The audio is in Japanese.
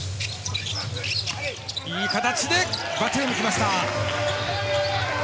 いい形でバトゥームきました。